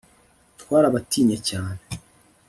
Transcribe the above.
twarabatinye cyane